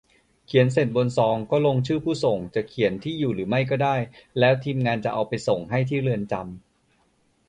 เขียนเสร็จบนซองก็ลงชื่อผู้ส่ง จะเขียนที่อยู่หรือไม่ก็ได้ แล้วทีมงานจะเอาไปส่งให้ที่เรือนจำ